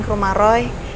ke rumah roy